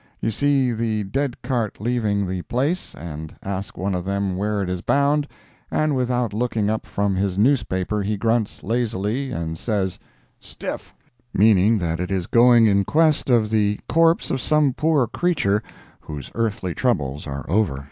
You see the dead cart leaving the place, and ask one of them where it is bound, and without looking up from his newspaper, he grunts, lazily, and says, "Stiff," meaning that it is going inquest of the corpse of some poor creature whose earthly troubles are over.